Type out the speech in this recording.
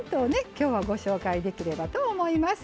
きょうはご紹介できればと思います。